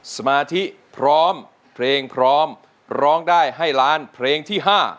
สมาธิพร้อมเพลงพร้อมร้องได้ให้ล้านเพลงที่๕